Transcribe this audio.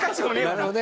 なるほどね。